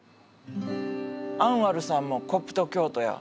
アンワルさんもコプト教徒や。